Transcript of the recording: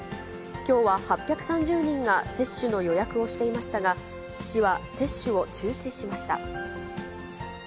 きょうは８３０人が接種の予約をしていましたが、びっくりしました。